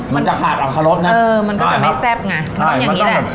มันจะขาดอัครสนะเออมันก็จะไม่แซ่บไงก็ต้องอย่างนี้แหละ